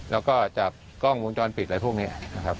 แล้วก็จากกล้องวงจรปิดอะไรพวกนี้นะครับ